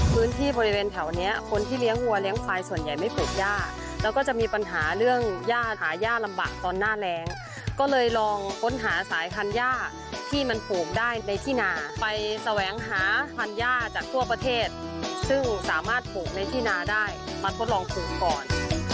พื้นที่บริเวณแถวเนี้ยคนที่เลี้ยงวัวเลี้ยงควายส่วนใหญ่ไม่ปลูกย่าแล้วก็จะมีปัญหาเรื่องย่าหาย่าลำบากตอนหน้าแรงก็เลยลองค้นหาสายพันธัญญาที่มันปลูกได้ในที่นาไปแสวงหาพันย่าจากทั่วประเทศซึ่งสามารถปลูกในที่นาได้มาทดลองปลูกก่อน